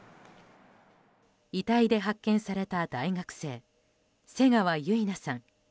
遺体で発見された大学生瀬川結菜さん。